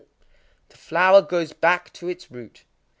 _ The flower goes back to its root.